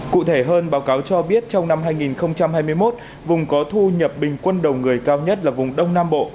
cụ thể hơn báo cáo cho biết trong năm hai nghìn hai mươi một vùng có thu nhập bình quân đầu người cao nhất là vùng đông nam bộ